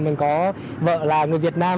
mình có vợ là người việt nam